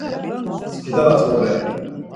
Skidalas vore!